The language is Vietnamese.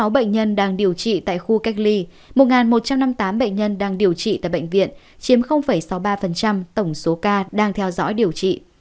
sáu bệnh nhân đang điều trị tại khu cách ly một một trăm năm mươi tám bệnh nhân đang điều trị tại bệnh viện chiếm sáu mươi ba tổng số ca đang theo dõi điều trị